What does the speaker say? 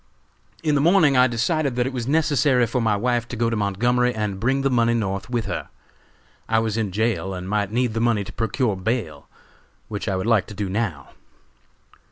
"In the morning I decided that it was necessary for my wife to go to Montgomery and bring the money North with her. I was in jail and might need the money to procure bail, which I would like to do now.